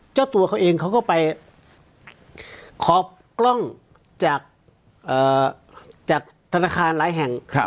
เจ้าตัวเขาเองเขาก็ไปขอกล้องจากธนาคารหลายแห่ง